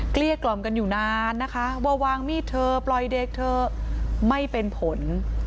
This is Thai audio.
เกลี้กล่อมกันอยู่นานนะคะว่าวางมีดเธอปล่อยเด็กเธอไม่เป็นผล